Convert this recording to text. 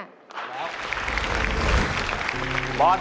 ออกแล้ว